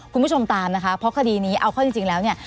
คุณผู้ชมตามนะคะเพราะคดีนี้เอาเข้าจริงแล้วเนี่ย